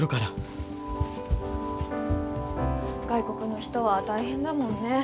外国の人は大変だもんね。